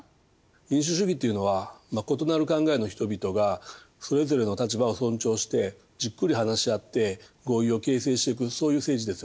民主主義っていうのは異なる考えの人々がそれぞれの立場を尊重してじっくり話し合って合意を形成していくそういう政治ですよね。